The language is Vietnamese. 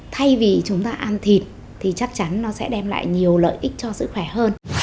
thay vì chúng ta ăn thịt thì chắc chắn nó sẽ đem lại nhiều lợi ích cho sức khỏe hơn